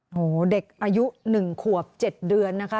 โอ้โหเด็กอายุ๑ขวบ๗เดือนนะคะ